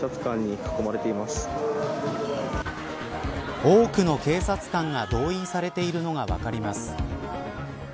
多くの警察官が動員されているのが分かります。